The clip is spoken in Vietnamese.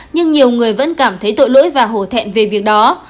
nhưng nhiều người vẫn cảm thấy tội lỗi và hồ thẹn về việc đó